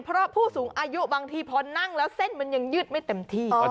เพราะผู้สูงอายุบางทีพอนั่งแล้วเส้นมันยังยืดไม่เต็มที่